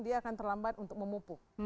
dia akan terlambat untuk memupuk